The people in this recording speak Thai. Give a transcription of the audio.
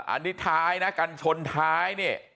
อันนี้ท้ายนะกันชนท้ายเนี่ย